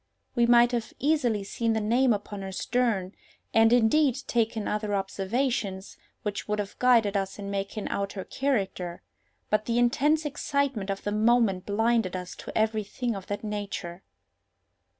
We might have easily seen the name upon her stern, and, indeed, taken other observations, which would have guided us in making out her character; but the intense excitement of the moment blinded us to every thing of that nature.